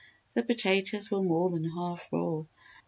The potatoes were more than half raw.